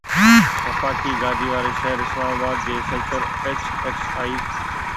وفاقي گادي واري شهر اسلام آباد جي سيڪٽر HXI